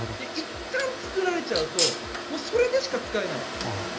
いったん作られちゃうとそれでしか使えない。